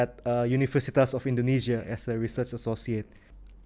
di universitas indonesia sebagai asosiasi penelitian